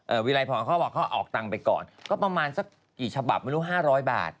เออวิลัยพรเขาบอกเขาออกสตางค์ไปก่อนก็ประมาณสักกี่ฉบับไม่รู้๕๐๐บาท